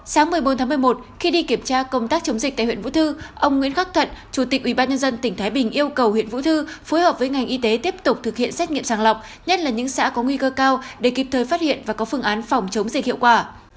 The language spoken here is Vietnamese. sáng một mươi bốn tháng một mươi một khi đi kiểm tra công tác chống dịch tại huyện vũ thư ông nguyễn khắc thận chủ tịch ubnd tỉnh thái bình yêu cầu huyện vũ thư phối hợp với ngành y tế tiếp tục thực hiện xét nghiệm sàng lọc nhất là những xã có nguy cơ cao để kịp thời phát hiện và có phương án phòng chống dịch hiệu quả